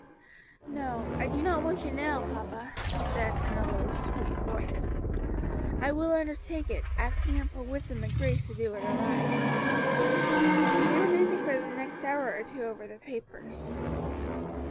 "No, I do not wish it now, papa," she said, in a low, sweet voice. "I will undertake it, asking Him for wisdom and grace to do it aright." They were busy for the next hour or two over the papers.